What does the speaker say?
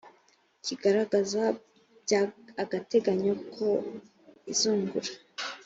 kigaragaza bya agateganyo ko izungura